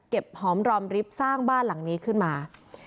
หอมรอมริบสร้างบ้านหลังนี้ขึ้นมา